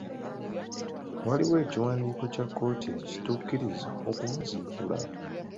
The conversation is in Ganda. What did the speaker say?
Waliwo ekiwandiiko kya kkooti ekitukkiriza okumuziikula.